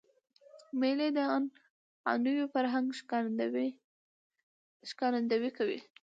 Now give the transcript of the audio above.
مېلې د عنعنوي فرهنګ ښکارندویي کوي.